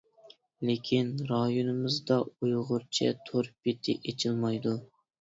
لېكىن رايونىمىزدا ئۇيغۇرچە تور بېتى ئېچىلمايدۇ.